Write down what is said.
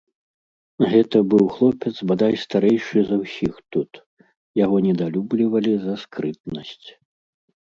Гэта быў хлопец бадай старэйшы за ўсіх тут, яго недалюблівалі за скрытнасць.